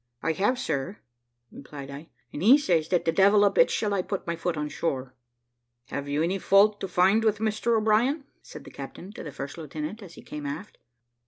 `I have, sir,' replied I, `and he says that the devil a bit shall I put my foot on shore.' `Have you any fault to find with Mr O'Brien?' said the captain to the first lieutenant, as he came aft.